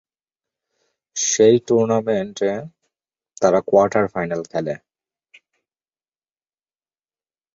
সেই টুর্নামেন্টে তার কোয়ার্টার ফাইনাল খেলে।